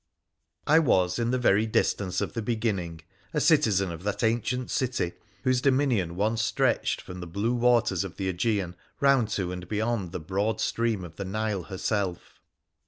1 was, in the very distance of the beginning, a citizen of that ancient city whose dominion once stretched from the blue waters of the Mge&n round to and beyond the broad stream of the Nile herself.